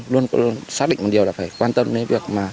luôn xác định một điều là phải quan tâm đến việc mà